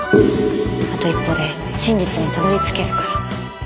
あと一歩で真実にたどりつけるから。